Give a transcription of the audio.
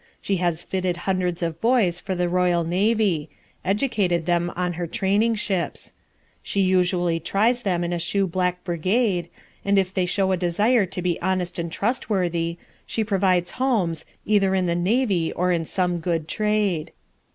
She has fitted hundreds of boys for the Royal Navy; educated them on her training ships. She usually tries them in a shoe black brigade, and if they show a desire to be honest and trustworthy, she provides homes, either in the navy or in some good trade.